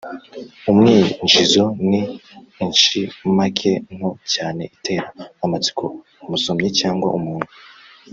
umwinjizo: ni inshamake nto cyane itera amatsiko umusomyi cyangwa umuntu